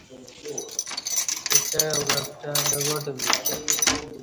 اوڅعہ اولپٹں بگاٹہ ویک